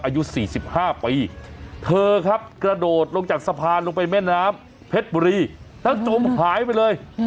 อายุ๔๕ปีเธอครับกระโดดลงจากสะพานลงไปแม่น้ำเพชรบุรีแล้วจมหายไปเลย